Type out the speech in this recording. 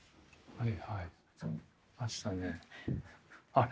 はい？